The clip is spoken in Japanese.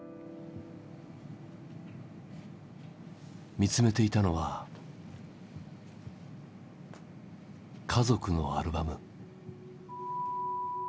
見つめていたのは家族のアルバム。